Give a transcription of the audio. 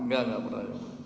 gak gak pernah